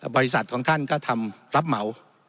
บริษัทของท่านก็ทำรับเหมา